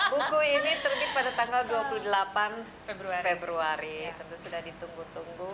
buku ini terbit pada tanggal dua puluh delapan februari tentu sudah ditunggu tunggu